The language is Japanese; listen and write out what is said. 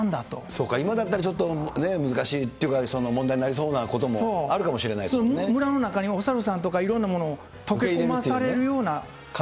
そうか、今だったらちょっとね、難しいというか、問題になりそうなこともあるかもしれないですもんね。村の中におサルさんとかいろんなもの溶け込まされるような。